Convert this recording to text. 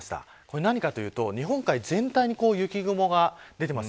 何かというと日本海全体に雪雲が出ています。